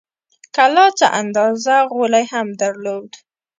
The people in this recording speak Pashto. کلا څه اندازه غولی هم درلود.